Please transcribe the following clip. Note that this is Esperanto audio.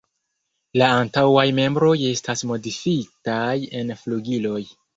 La antaŭaj membroj estas modifitaj en flugiloj.